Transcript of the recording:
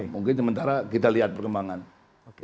mungkin sementara kita lihat perkembangan